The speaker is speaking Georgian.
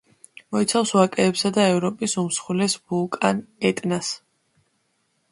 მოიცავს ვაკეებსა და ევროპის უმსხვილეს ვულკან ეტნას.